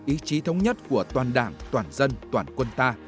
ý chí thống nhất của toàn đảng toàn dân toàn quân ta